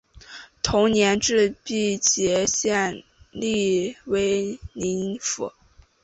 同年置毕节县隶威宁府。